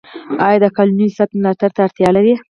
آیا د قالینو صنعت ملاتړ ته اړتیا لري؟